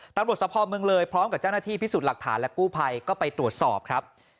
ตลอดสภองเมืองเรย์พร้อมข้างกับจ้านนาทีพิสุทธิ์หลักฐานและกู้ภัยก็ไปตรวจสอบครับ